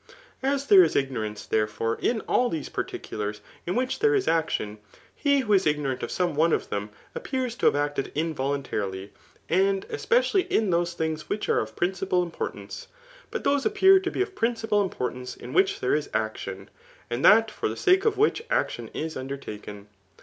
As there is ignorance, therefore, 19 all these particulars, in which there is action, he DiFho b ig norant of some one of them, ajqpears to have acted m* Voluntarily, and especially in those things which are of principal importance* But those appear to be of prin cipal importance, in which there is action, and that for the sake of which action is undertaken.